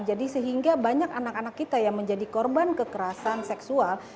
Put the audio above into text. jadi sehingga banyak anak anak kita yang menjadi korban kekerasan seksual